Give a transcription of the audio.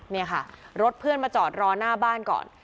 นี่ค่ะรถเพื่อนมาจอดรอหน้าบ้านก่อน